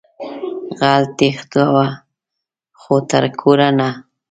غل تېښتوه خو تر کوره نه